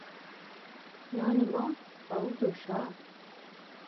نان ما به او دو شا.